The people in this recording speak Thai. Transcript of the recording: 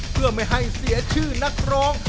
เพื่อไม่ให้เสียชื่อนักร้อง